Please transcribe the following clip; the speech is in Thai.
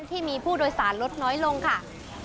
ที่มีผู้โดยสารลดน้อยลงค่ะ